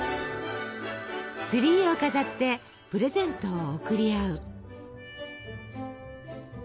ツリーを飾ってプレゼントを贈り合う。